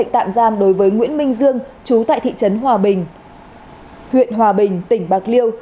tạm giam đối với nguyễn minh dương chú tại thị trấn hòa bình huyện hòa bình tỉnh bạc liêu